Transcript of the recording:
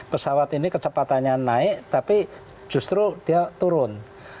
pesawat ini kecepatannya naik tapi justru dia turun